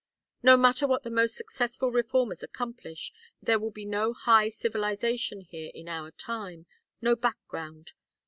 No matter what the most successful reformers accomplish, there will be no high civilization here in our time no background.